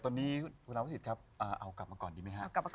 ตอนนี้คุณวัตรวสิทธิ์เอากลับมาก่อนดีไหมครับ